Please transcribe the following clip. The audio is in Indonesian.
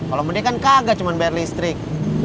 kalau medi kan kagak cuma bayar listrik